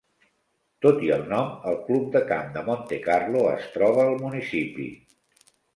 Tot i el nom, el Club de Camp de Monte Carlo es troba al municipi.